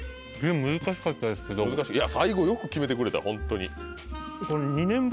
いや最後よく決めてくれたホントに。